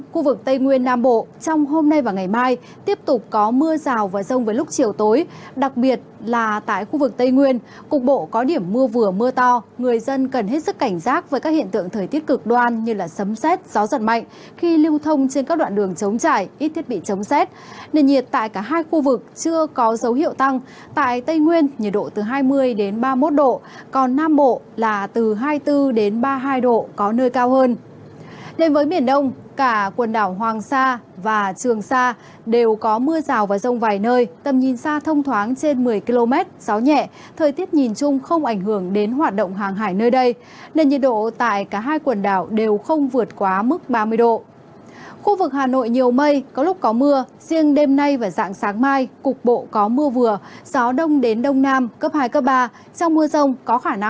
khu vực hà nội nhiều mây có lúc có mưa riêng đêm nay và dạng sáng mai cục bộ có mưa vừa gió đông đến đông nam cấp hai cấp ba trong mưa rông có khả năng xảy ra lốc xét và gió giật mạnh